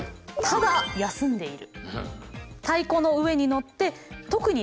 ただ休んでいる。